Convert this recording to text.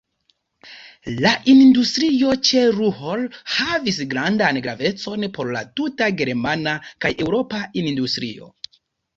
La industrio ĉe Ruhr havis grandan gravecon por la tuta germana kaj eŭropa industrio.